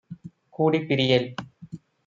கூடிப் பிரியேல்.